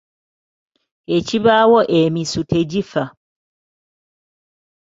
Ekibaawo emisu tegifa.